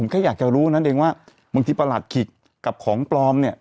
แค่อยากจะรู้นั่นเองว่าบางทีประหลัดขิกกับของปลอมเนี่ย